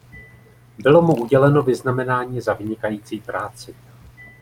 Bylo mu uděleno Vyznamenání Za vynikající práci.